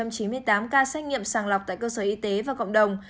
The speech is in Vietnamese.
một trăm chín mươi tám ca xét nghiệm sàng lọc tại cơ sở y tế và cộng đồng